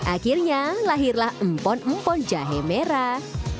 akhirnya lahirlah empon empon jahe merah